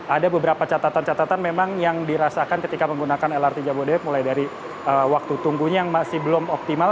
ada beberapa catatan catatan memang yang dirasakan ketika menggunakan lrt jabodebek mulai dari waktu tunggunya yang masih belum optimal